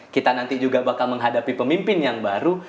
kita nanti juga bakal menghadapi pemimpin yang baru